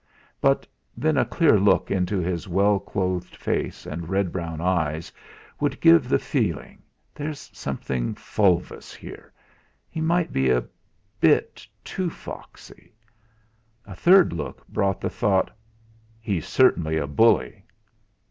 But then a clear look into his well clothed face and red brown eyes would give the feeling: 'There's something fulvous here; he might be a bit too foxy.' A third look brought the thought: 'He's certainly a bully.'